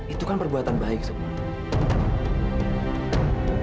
itu kan perbuatan baik semua